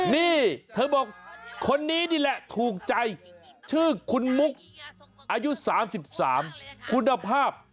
นี่คนนี้นี่แหละถูกใจชื่อคุณมุกอายุสามสิบสามคุณภาพ